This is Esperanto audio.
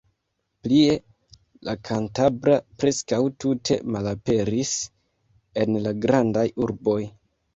Plie, la kantabra preskaŭ tute malaperis en la grandaj urboj.